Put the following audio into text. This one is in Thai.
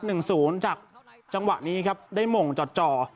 หนึ่งศูนย์จากจังหวะนี้ครับได้หม่งจ่อ